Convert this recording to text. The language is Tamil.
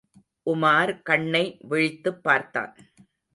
உமார் கண்ணை விழித்துப் பார்த்தான்.